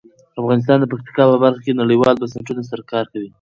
افغانستان د پکتیکا په برخه کې نړیوالو بنسټونو سره کار کوي.